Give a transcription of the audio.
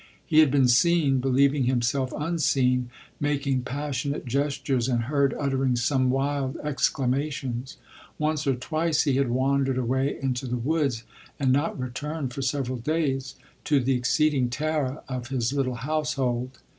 He had been seen, believing himself unseen, making passionate gestures, and heard uttering some wild exclamations. Once or twice he had wandered away into the woods, and not re turned for several days, to the exceeding terror of his little household.